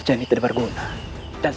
keturunan yang diperlukan adalah